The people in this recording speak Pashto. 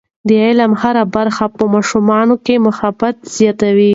د علم هره برخه په ماشومانو کې محبت زیاتوي.